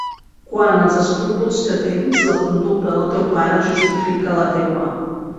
Quant als escrúpols que tens, la conducta del teu pare justifica la teua.